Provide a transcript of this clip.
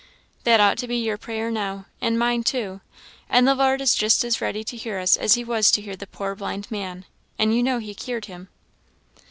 That ought to be your prayer now, and mine too; and the Lord is just as ready to hear us as he was to hear the poor blind man; and you know he cured him.